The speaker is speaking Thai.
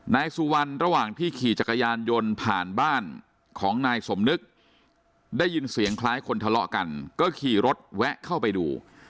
นายสุวรรณระหว่างที่ขี่จักรยานยนต์ผ่านบ้านของนายสมนึกได้ยินเสียงคล้ายคนทะเลาะกันก็ขี่รถแวะเข้าไปดู